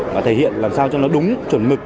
và thể hiện làm sao cho nó đúng chuẩn mực